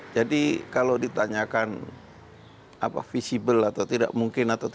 jadi kalau ditanyakan apa visibel atau tidak mungkin